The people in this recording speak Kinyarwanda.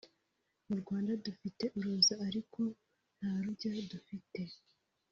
mu Rwanda dufite uruza ariko nta rujya dufite